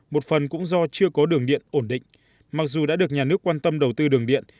một phần cũng do chưa có đường điện ổn định mặc dù đã được nhà nước quan tâm đầu tư đường điện